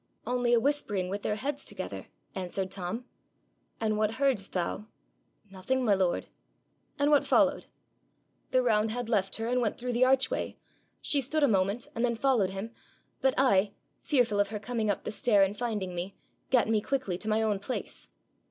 'Only a whispering with their heads together,' answered Tom. 'And what heard'st thou?' 'Nothing, my lord.' 'And what followed?' 'The roundhead left her, and went through the archway. She stood a moment and then followed him. But I, fearful of her coming up the stair and finding me, gat me quickly to my own place.'